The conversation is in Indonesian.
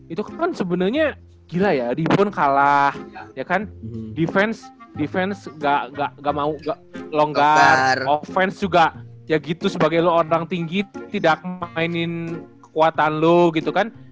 itu kan sebenernya gila ya dibun kalah ya kan defense defense gak gak gak mau long guard offense juga ya gitu sebagai lo orang tinggi tidak mainin kekuatan lo gitu kan